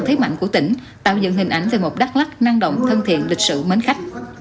thế mạnh của tỉnh tạo dựng hình ảnh về một đắk lắc năng động thân thiện lịch sử mến khách